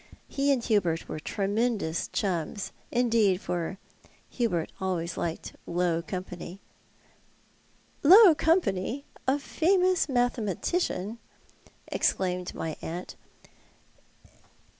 He and Hubert were tremendous chums, indeed — for Hubert always liked low company." " Low company ! A fiimous mathematician !'' exclaimed my aunt.